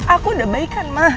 aku udah baik kan mah